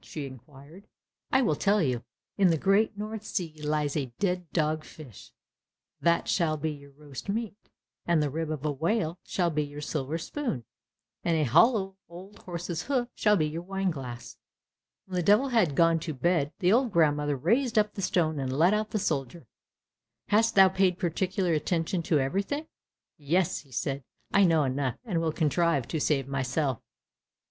she inquired. "I will tell you. In the great North Sea lies a dead dog fish, that shall be your roast meat, and the rib of a whale shall be your silver spoon, and a hollow old horse's hoof shall be your wine glass." When the Devil had gone to bed, the old grandmother raised up the stone, and let out the soldier. "Hast thou paid particular attention to everything?" "Yes," said he, "I know enough, and will contrive to save myself."